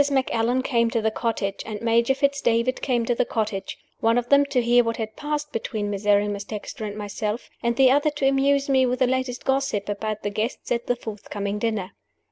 Macallan came to the cottage, and Major Fitz David came to the cottage one of them to hear what had passed between Miserrimus Dexter and myself, the other to amuse me with the latest gossip about the guests at the forthcoming dinner.